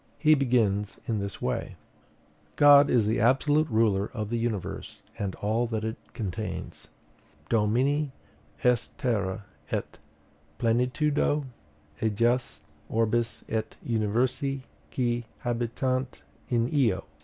He begins in this way: "God is the absolute ruler of the universe and all that it contains: Domini est terra et plenitudo ejus, orbis et universi qui habitant in eo.